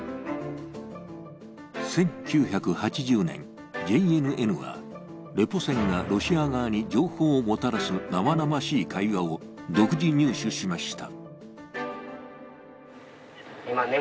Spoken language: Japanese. １９８０年、ＪＮＮは、レポ船がロシア側に情報をもたらす生々しい会話を独自入手しました。